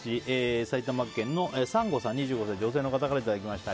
埼玉県の２５歳女性の方からいただきました。